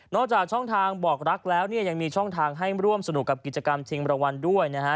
จากช่องทางบอกรักแล้วเนี่ยยังมีช่องทางให้ร่วมสนุกกับกิจกรรมชิงรางวัลด้วยนะฮะ